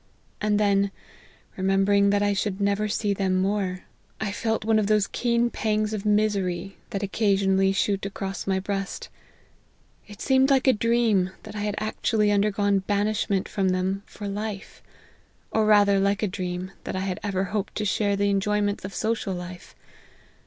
And then, remembering that I should never see them more, I felt one of those keen pangs of misery, that occasionally shoot across my LIFE OF HENRY MARTYN. 71 breast. It seemed like a dream, that I had actually undergone banishment from them for life ; or rath er like a dream, that I had ever hoped to share the enjoyments of social life.